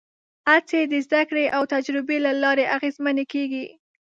هڅې د زدهکړې او تجربې له لارې اغېزمنې کېږي.